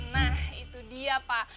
nah itu dia pak